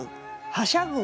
はしゃぐ